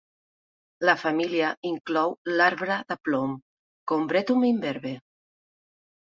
La família inclou l'arbre de plom, Combretum imberbe.